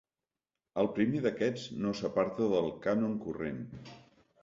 El primer d'aquests no s'aparta del cànon corrent.